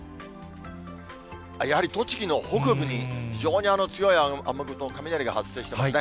やはり栃木の北部に非常に強い雨雲、雷が発生していますね。